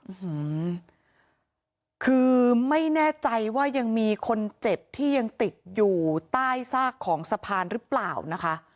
หือคือไม่แน่ใจว่ายังมีคนเจ็บที่ยังติดอยู่ใต้ซากของสะพานหรือเปล่านะคะ